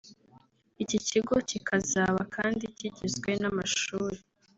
Iki kigo kikazaba kandi kigizwe n’amashuri